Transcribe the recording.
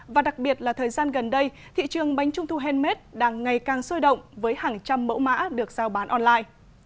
và đặc biệt là thời gian gần đây thị trường bánh trung thu handmade đang ngày càng sôi động với hàng trăm mẫu mã được giao bán online